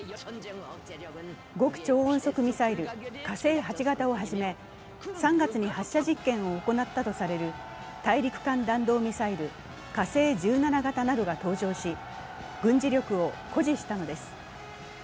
極超音速ミサイル・火星８型をはじめ３月に発射実験を行ったとされる大陸間弾道ミサイル、火星１７型などが登場し、軍事力を誇示したのです。